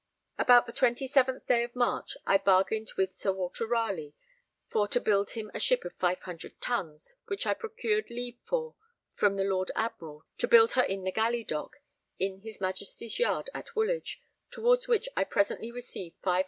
About the 27th day of March I bargained with Sir Walter Ralegh for to build him a ship of 500 tons, which I procured leave for from the Lord Admiral, to build her in the galley dock in his Majesty's Yard at Woolwich, towards which I presently received 500_l.